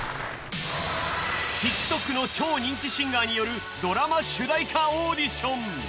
ＴｉｋＴｏｋの超人気シンガーによるドラマ主題歌オーディション。